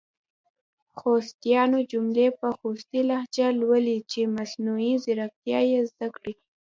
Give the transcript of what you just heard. خوستیانو جملي په خوستې لهجه لولۍ چې مصنوعي ځیرکتیا یې زده کړې!